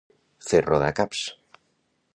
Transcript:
Fer rodar caps.